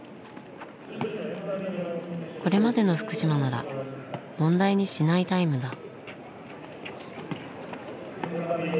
これまでの福島なら問題にしないタイムだ。